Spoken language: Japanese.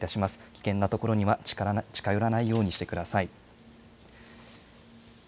危険な所には近寄らないようにしてください。